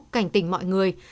cảnh tình mọi người